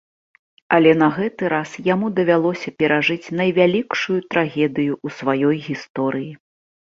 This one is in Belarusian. Але на гэты раз яму давялося перажыць найвялікшую трагедыю ў сваёй гісторыі.